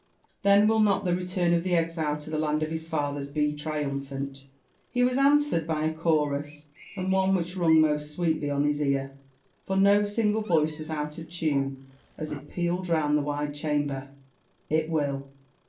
Then will not the return of the exile to the land of his fathers be trium phant r He was answered by a chorus, and one which rung most sweetly on AM LIPB AMD ABVENTURB8 OF his ear, for no single voice was out of tune as it pealed round the wide chamber, —It will